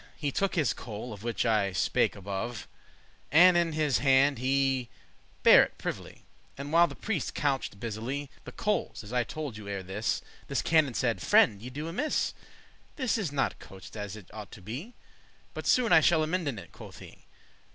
He took his coal, of which I spake above, And in his hand he bare it privily, And while the prieste couched busily The coales, as I tolde you ere this, This canon saide, "Friend, ye do amiss; This is not couched as it ought to be, But soon I shall amenden it," quoth he.